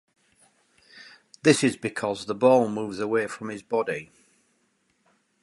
This is because the ball moves away from his body.